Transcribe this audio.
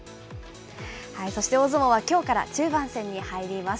そして大相撲はきょうから中盤戦に入ります。